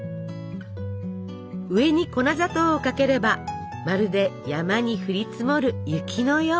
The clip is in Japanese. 上に粉砂糖をかければまるで山に降り積もる雪のよう。